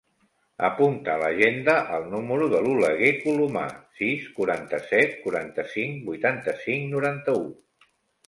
Apunta a l'agenda el número de l'Oleguer Colomar: sis, quaranta-set, quaranta-cinc, vuitanta-cinc, noranta-u.